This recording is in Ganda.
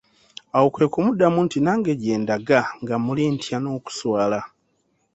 Awo kwe kumuddamu nti nange gye ndaga nga muli ntya n'okuswala.